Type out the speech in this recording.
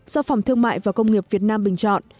do phòng thương mại và công nghiệp việt nam bình chọn